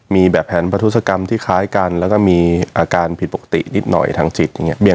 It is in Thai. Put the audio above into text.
มีแบบแผนประทุศกรรมที่คล้ายกันแล้วก็มีอาการผิดปกตินิดหน่อยทางจิตอย่างนี้